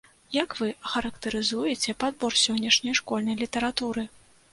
Як вы ахарактарызуеце падбор сённяшняй школьнай літаратуры?